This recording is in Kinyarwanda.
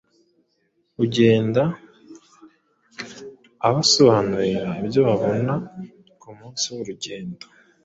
ugenda abasobanurira ibyo babona ku munsi w’urugendo.